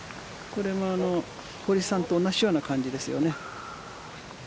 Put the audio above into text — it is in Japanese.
これも堀さんと同じような感じですよね。